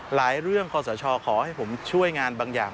เรื่องคอสชขอให้ผมช่วยงานบางอย่าง